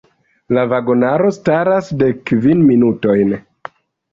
La vagonaro staras dekkvin minutojn!